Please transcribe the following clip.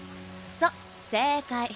そっ正解。